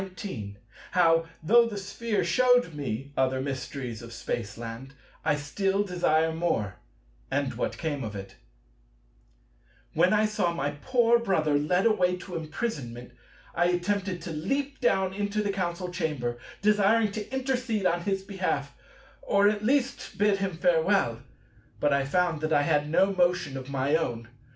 § 19 How, though the Sphere shewed me other mysteries of Spaceland, I still desire more; and what came of it When I saw my poor brother led away to imprisonment, I attempted to leap down into the Council Chamber, desiring to intercede on his behalf, or at least bid him farewell. But I found that I had no motion of my own.